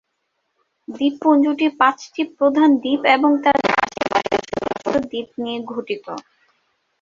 দ্বীপপুঞ্জটি পাঁচটি প্রধান দ্বীপ এবং তাদের আশেপাশের ছোট ছোট দ্বীপ নিয়ে গঠিত।